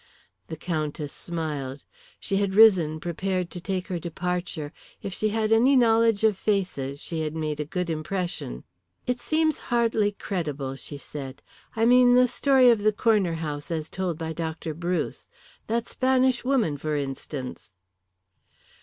The Countess smiled. She had risen prepared to take her departure. If she had any knowledge of faces she had made a good impression. "It seems hardly credible," she said. "I mean the story of the Corner House as told by Dr. Bruce. That Spanish woman, for instance."